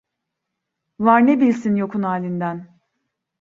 Var ne bilsin yokun halinden.